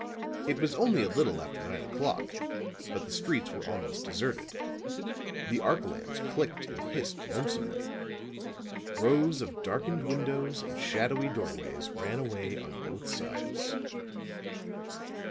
It was only a little after nine o'clock, but the streets were almost deserted; the arc lamps clicked and hissed lonesomely; rows of darkened windows and shadowy doorways ran away on both sides.